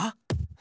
え。